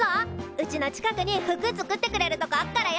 うちの近くに服作ってくれるとこあっからよ。